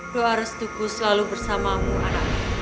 doa restuku selalu bersamamu anak